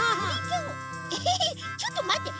えっちょっとまって。